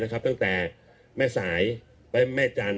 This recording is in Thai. ตั้งแต่แม่สายไปแม่จันท